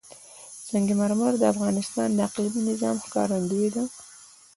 سنگ مرمر د افغانستان د اقلیمي نظام ښکارندوی ده.